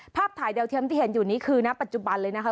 ภาพถ่ายดาวเทียมที่เห็นอยู่นี้คือณปัจจุบันเลยนะคะ